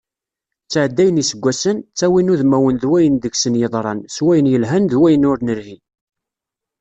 Ttɛeddayen yiseggasen, ttawin udmawen d wayen deg-sen yeḍran, s wayen yelhan d wayen ur nelhi.